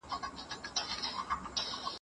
خلک یې په تبصرو ارزوي.